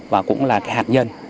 và cũng là hạt nhân